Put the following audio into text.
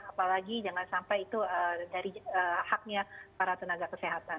apalagi jangan sampai itu dari haknya para tenaga kesehatan